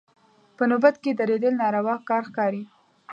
په نوبت کې درېدل ناروا کار ښکاري.